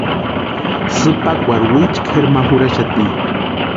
Sïpakwarhi wichu kʼeri ma jurhaxati.